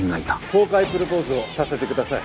公開プロポーズをさせてください。